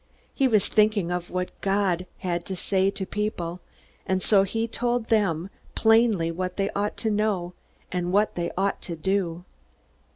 He was thinking of what God had to say to the people, and so he told them plainly what they ought to know and what they ought to do.